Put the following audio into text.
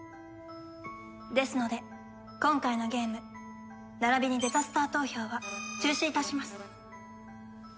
ですので今回のゲーム並びにデザスター投票は中止いたします。